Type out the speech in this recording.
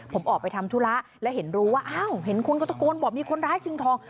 ผมออกไปทำธุระแล้วเห็นรู้ว่าอ้าวเห็นคนก็ตะโกนบอกมีคนร้ายชิงทอง